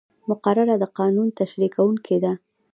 مقرره د قانون تشریح کوونکې ده.